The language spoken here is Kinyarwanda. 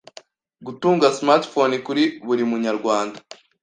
gutunga ‘smart phone’ kuri buri munyarwanda